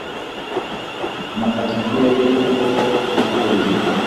amafagitire ye uko yaguye